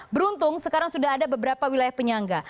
beruntung sekarang sudah ada beberapa wilayah penyangga